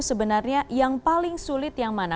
sebenarnya yang paling sulit yang mana